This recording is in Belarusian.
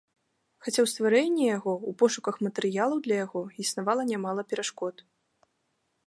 Хаця ў стварэнні яго, у пошуках матэрыялаў для яго, існавала нямала перашкод.